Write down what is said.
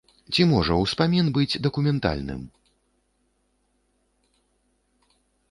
Ці можа ўспамін быць дакументальным?